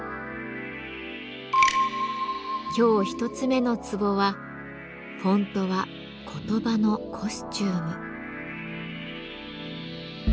今日１つ目の壺は「フォントは言葉のコスチューム」。